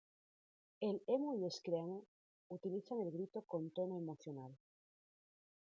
El emo y screamo utilizan el grito con tono emocional.